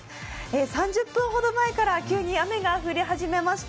３０分ほど前から急に雨が降り始めました。